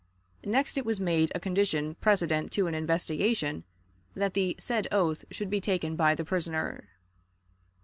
Next it was made a condition precedent to an investigation that the said oath should be taken by the prisoner.